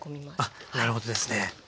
あっなるほどですね。